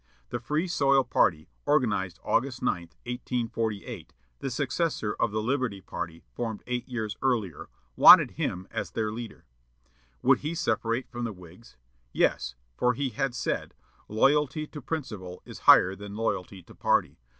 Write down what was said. The Free Soil party, organized August 9, 1848, the successor of the "Liberty" party formed eight years earlier, wanted him as their leader. Would he separate from the Whigs? Yes, for he had said, "Loyalty to principle is higher than loyalty to party.